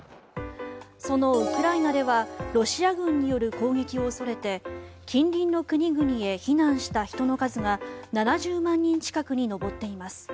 そのウクライナではロシア軍による攻撃を恐れて近隣の国々へ避難した人の数が７０万人近くに上っています。